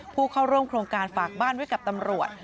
ผู้เข้าร่วมโครงการฝากบ้านไว้กับตำรวจ